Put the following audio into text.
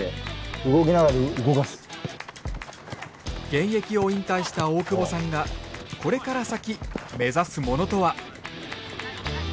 現役を引退した大久保さんがこれから先目指すものとは？